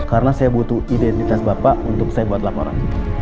karena saya butuh identitas bapak untuk saya buat laporan